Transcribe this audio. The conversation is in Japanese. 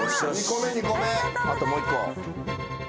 あともう一個。